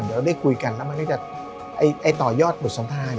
เดี๋ยวเราได้คุยกันแล้วต่อยอดหมุดสำทาง